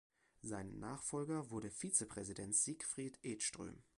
Sein Nachfolger wurde Vizepräsident Sigfrid Edström.